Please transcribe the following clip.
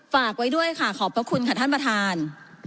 ฝากไว้ด้วยค่ะขอบพระคุณค่ะท่านประธาน